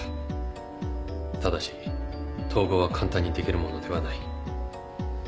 ただし統合は簡単にできるものではない。